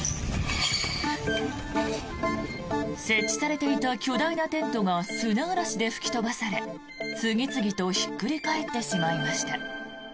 設置されていた巨大なテントが砂嵐で吹き飛ばされ次々とひっくり返ってしまいました。